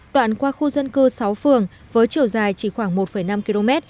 đoạn qua khu dân cư sáu phường với chiều dài chỉ khoảng một năm km